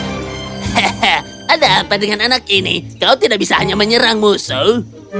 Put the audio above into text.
hehehe ada apa dengan anak ini kau tidak bisa hanya menyerang musuh